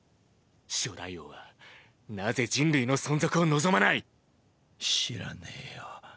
初代王はなぜ人類の存続を望まない⁉知らねぇよ。